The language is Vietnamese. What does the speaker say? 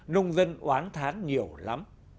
nông dân oán thán nhiều lắm